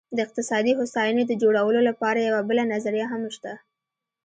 د اقتصادي هوساینې د جوړولو لپاره یوه بله نظریه هم شته.